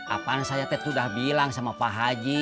apaan saya tadi tuh udah bilang sama pak haji